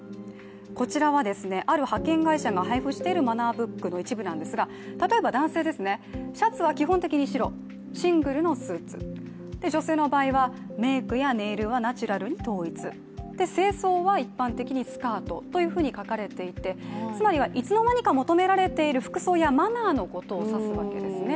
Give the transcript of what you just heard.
こちらはですね、ある派遣会社が配布しているマナーブックの一部なんですが例えば男性、シャツは基本的白、シングルのスーツ、女性の場合はメイクやネイルはナチュラルに統一、正装は一般的にスカートというふうに書かれていて、つまりはいつの間にか求められている服装やマナーのことを指すわけですね。